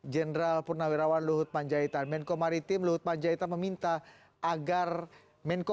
jenderal purnawirawan luhut panjaitan menko maritim luhut panjaitan meminta agar menko